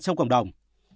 trong cộng đồng